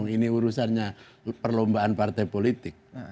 ini urusannya perlombaan partai politik